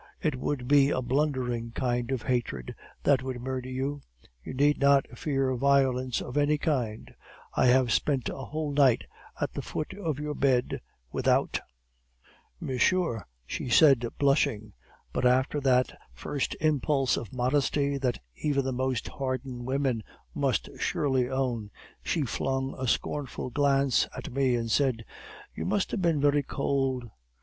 It would be a blundering kind of hatred that would murder you! You need not fear violence of any kind; I have spent a whole night at the foot of your bed without ' "'Monsieur ' she said, blushing; but after that first impulse of modesty that even the most hardened women must surely own, she flung a scornful glance at me, and said: "'You must have been very cold.